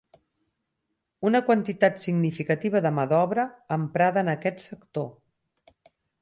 Una quantitat significativa de mà d'obra emprada en aquest sector.